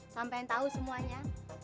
sampai tahu semuanya